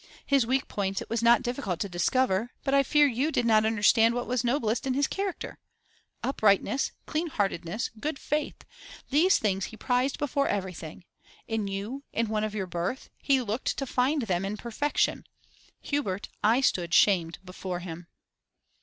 His weak points it was not difficult to discover; but I fear you did not understand what was noblest in his character. Uprightness, clean heartedness, good faith these things he prized before everything. In you, in one of your birth, he looked to find them in perfection. Hubert, I stood shamed before him.